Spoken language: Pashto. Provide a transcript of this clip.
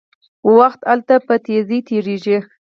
وخت هلته په چټکۍ تیریږي.